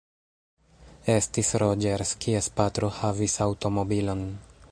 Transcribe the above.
Estis Roĝers, kies patro havis aŭtomobilon.